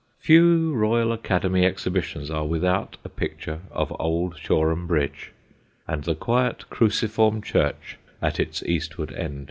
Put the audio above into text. Few Royal Academy exhibitions are without a picture of Old Shoreham Bridge and the quiet cruciform church at its eastward end.